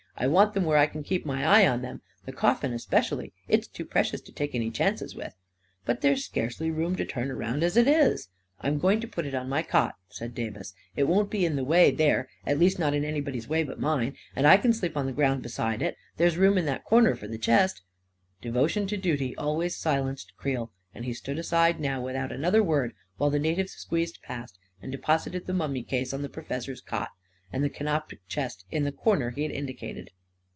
" I want them where I can keep my eye on them — the coffin especially. It's too precious to take any chances with !"" But there's scarcely room to turn around, as it is." " I'm going to put it on my cot," said Davis. " It won't be in the way there — at least, not in anybody's way but mine — and I can sleep on the ground be side it. There's room in that corner for the chest." Devotion to duty always silenced Creel, and he stood aside now without another word while the na tives squeezed past and deposited the mummy case on the professor's cot, and the canopic chest in the corner he had indicated.